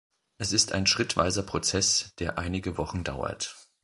Es ist ein schrittweiser Prozess, der einige Wochen dauert.